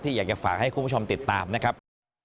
อยากจะฝากให้คุณผู้ชมติดตามนะครับ